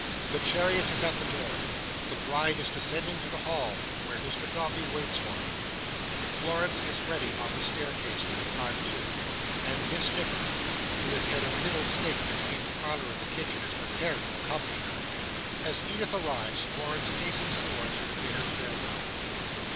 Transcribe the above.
The chariot is at the door; the Bride is descending to the hall, where Mr Dombey waits for her. Florence is ready on the staircase to depart too; and Miss Nipper, who has held a middle state between the parlour and the kitchen, is prepared to accompany her. As Edith appears, Florence hastens towards her, to bid her farewell.